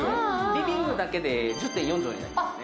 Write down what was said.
リビングだけで１０．４畳になりますね